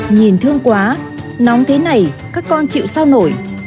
nhìn thương quá nóng thế này các con chịu sao nổi